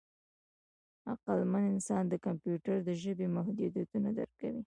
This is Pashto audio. عقلمن انسان د کمپیوټر د ژبې محدودیتونه درک کوي.